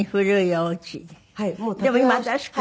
でも今新しく。